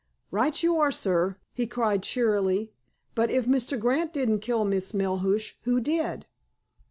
"Right you are, sir," he cried cheerily. "But, if Mr. Grant didn't kill Miss Melhuish, who did!"